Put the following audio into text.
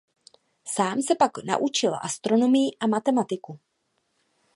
Sám se pak naučil astronomii a matematiku.